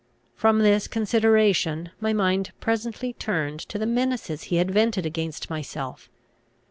From this consideration, my mind presently turned to the menaces he had vented against myself.